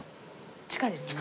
地下ですね。